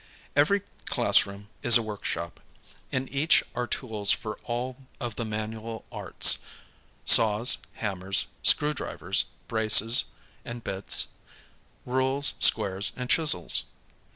Ever>' classroom is a workshop. In each are tools for all of the manual arts ŌĆö saws, hammers, screw drivers, braces and bits, rules, squares, and chisels.